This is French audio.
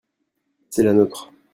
c'est la nôtre.